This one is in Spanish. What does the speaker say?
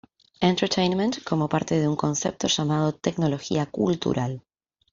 Entertainment, como parte de un concepto llamado tecnología cultural.